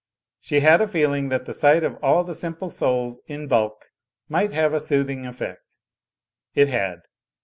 She had a feeling that the sight of all the Simple Souls in bulk might have a soothing effect. It had.